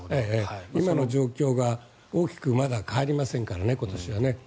今の状況が大きくまだ変わりませんからね今年は。